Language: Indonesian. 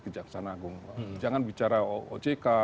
kejaksaan agung jangan bicara ojk